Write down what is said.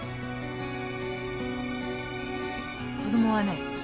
子供はね